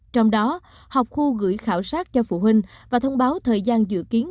trong đó học khu gửi khảo sát cho phụ huynh và thông báo thời gian dự kiến